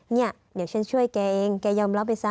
เนี่ยเดี๋ยวฉันช่วยแกเองแกยอมรับไปซะ